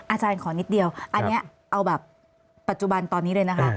อาจารย์ขอนิดเดียวอันนี้เอาแบบปัจจุบันตอนนี้เลยนะคะ